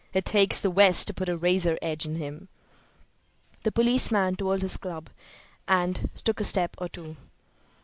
It takes the West to put a razor edge on him." The policeman twirled his club and took a step or two.